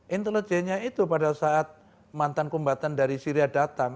intelijennya itu pada saat mantan kombatan dari syria datang